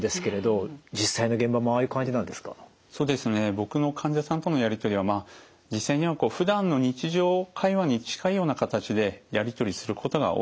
僕の患者さんとのやり取りは実際にはふだんの日常会話に近いような形でやり取りすることが多いです。